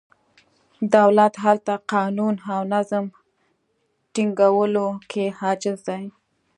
دولت هلته قانون او نظم ټینګولو کې عاجز دی.